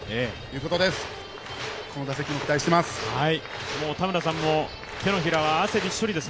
この打席も期待しています。